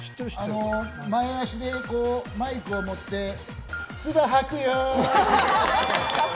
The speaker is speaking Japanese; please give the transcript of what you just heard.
前足でマイクを持って、つば吐くよ！